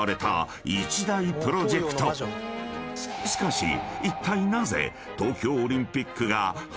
［しかしいったい］